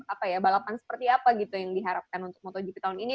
apa ya balapan seperti apa gitu yang diharapkan untuk motogp tahun ini